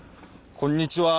こんにちは。